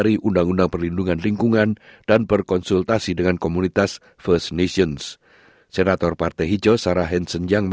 kita telah membunuh keinginan organisasi gas untuk mengikuti peraturan alami alam